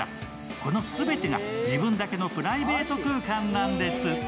この全てが自分だけのプライベート空間なんです。